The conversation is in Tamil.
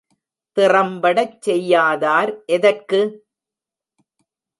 திறம்படச் செய்யாதார் எதற்கு?